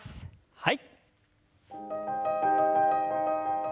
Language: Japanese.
はい。